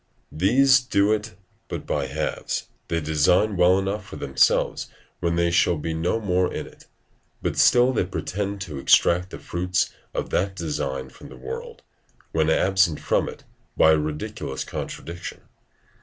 These do it but by halves: they design well enough for themselves when they shall be no more in it; but still they pretend to extract the fruits of that design from the world, when absent from it, by a ridiculous contradiction.